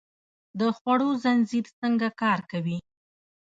د خوړو زنځیر څنګه کار کوي؟